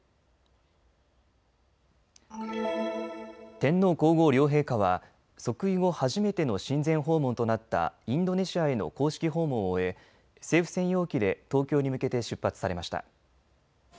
天皇皇后両陛下は即位後初めての親善訪問となったインドネシアへの公式訪問を終え政府専用機で東京に向けて出発されました。